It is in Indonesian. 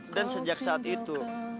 dan sejak saat itu